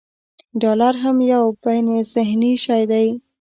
ډالر هم یو بینالذهني شی دی.